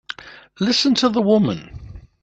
Listen to the woman!